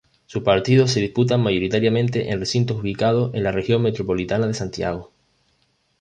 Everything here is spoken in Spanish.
Sus partidos se disputan mayoritariamente en recintos ubicados en la Región Metropolitana de Santiago.